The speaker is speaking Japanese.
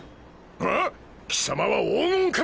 あっ貴様は黄金仮面！